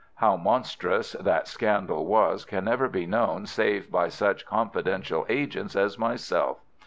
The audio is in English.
How monstrous that scandal was can never be known save by such confidential agents as myself.